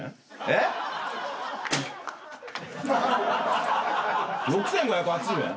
えっ⁉６，５８０円？